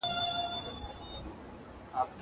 کتابونه وليکه!!